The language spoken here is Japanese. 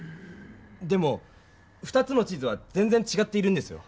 でも２つの地図は全ぜんちがっているんですよ。